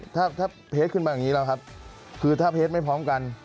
ถ้าเพจขึ้นมาอย่างนี้แล้วครับคือถ้าเพจไม่พร้อมกัน